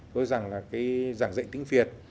tôi rằng là cái giảng dạy tiếng việt